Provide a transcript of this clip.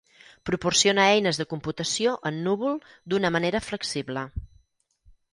Proporciona eines de computació en núvol d'una manera flexible.